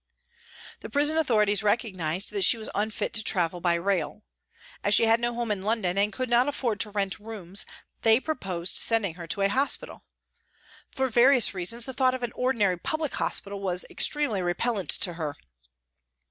The prison authorities recognised that she was unfit to travel by rail. As she had no home in London and could not afford to rent rooms, they proposed sending her to a hospital. For various reasons, the thought of an ordinary public hospital was ex tremely repellent to her.